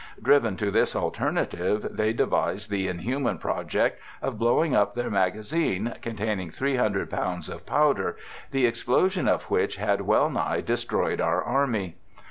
Driven to this alternative, they devised the in human project of blowing up their magazine, containing 300 pounds of powder, the explosion of which had wellnigh destroyed our army.